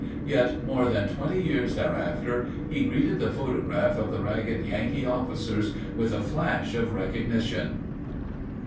Yet more than twenty years thereafter he greeted the photograph of the ragged Yankee officers with a flash of recognition.